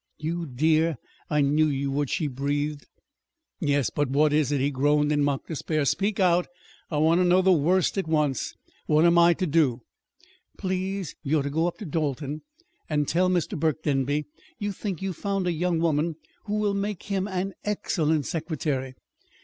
"You dear! I knew you would!" she breathed. "Yes; but what is it?" he groaned in mock despair. "Speak out. I want to know the worst at once. What am I to do?" "Please, you're to go up to Dalton and tell Mr. Burke Denby you think you've found a young woman who will make him an excellent secretary.